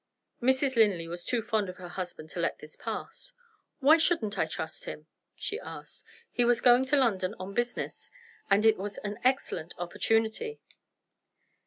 Mrs. Linley was too fond of her husband to let this pass. "Why shouldn't I trust him?" she asked. "He was going to London on business and it was an excellent opportunity."